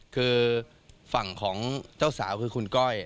คือฝั่งของเจ้าสาวคือคุณก้อย